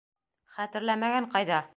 — Хәтерләмәгән ҡайҙа!..